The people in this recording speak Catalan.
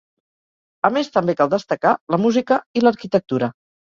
A més també cal destacar la música i l’arquitectura.